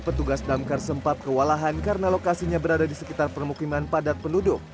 petugas damkar sempat kewalahan karena lokasinya berada di sekitar permukiman padat penduduk